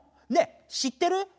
ねえ知ってる？